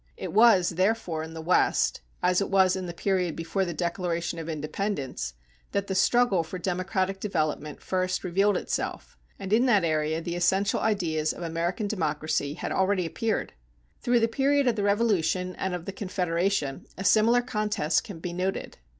It was, therefore, in the West, as it was in the period before the Declaration of Independence, that the struggle for democratic development first revealed itself, and in that area the essential ideas of American democracy had already appeared. Through the period of the Revolution and of the Confederation a similar contest can be noted.